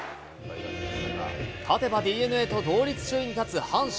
勝てばＤｅＮＡと同率首位に立つ阪神。